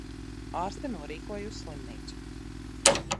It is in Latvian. Ārste norīkoja uz slimnīcu...